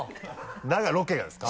長いロケがですか？